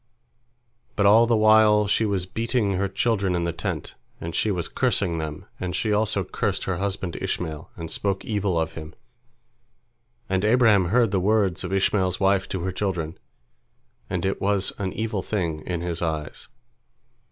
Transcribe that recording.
But all the while she was beating her children in the tent, and she was cursing them, and she also cursed her husband Ishmael, and spoke evil of him, and Abraham heard the words of Ishmael's wife to her children, and it was an evil thing in his eyes.